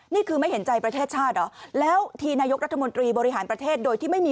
นี่คือการเห็นใจประเทศชาติหรือเปล่า